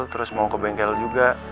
terus mau ke bengkel juga